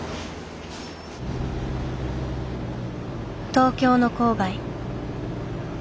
東京の郊外。